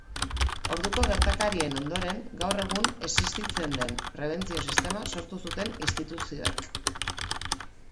Orduko gertakarien ondoren, gaur egun existitzen den prebentzio-sistema sortu zuten instituzioek.